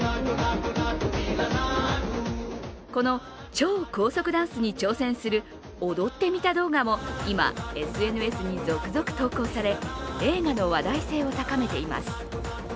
この超高速ダンスに挑戦する踊ってみた動画も今、ＳＮＳに続々投稿され、映画の話題性を高めています。